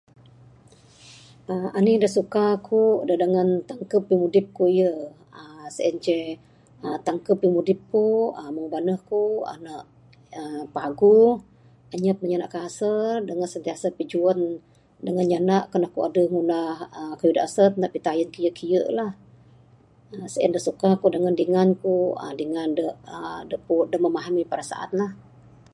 Aaa, anih da suka ku da dangan tangkeb pimudip ku yeh aaa sien ceh aa tangkeb pimudip ku, meng baneh ku, aaa paguh. Anyap nyanda kasar dangan sentiasa pijuan, dangan nyanda kan aku adeh ngunah kayuh da asat. Ne pitayen kiye kiye lah. Sien da suka ku dangan dingan ku. Dingan aaa da memahami perasaan lah.